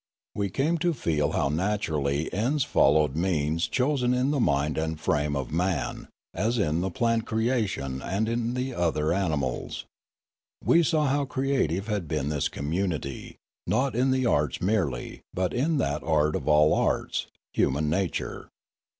We came to feel how naturally ends followed means chosen in the mind and frame of man, as in the plant creation and in the other animals. We saw how creative had been this community, not in the arts merely, but in that art of all arts, human nature.